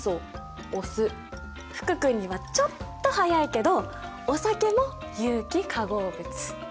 福君にはちょっと早いけどお酒も有機化合物。